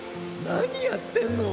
なにやってんの？